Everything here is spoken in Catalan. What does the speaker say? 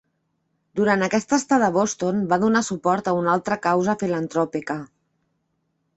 Durant aquesta estada a Boston va donar suport una altra causa filantròpica.